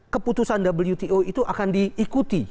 keputusan wto itu akan diikuti